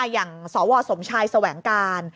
อย่างสวสมชายแสวงการ